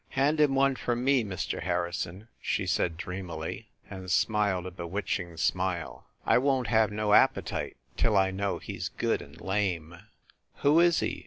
"Hand him one for me, Mr. Harrison," she said dreamily, and smiled a bewitching smile. "I won t have no appetite till I know he s good and lame," 160 FIND THE WOMAN "Who is he